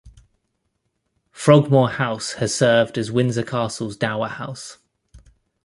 Frogmore House has served as Windsor Castle's dower house.